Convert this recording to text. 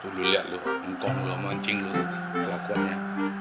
tuh lu liat lu ngkong lu mancing lu kelakuan ya